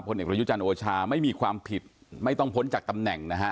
เอกประยุจันทร์โอชาไม่มีความผิดไม่ต้องพ้นจากตำแหน่งนะฮะ